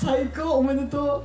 おめでとう！